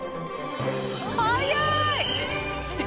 速い！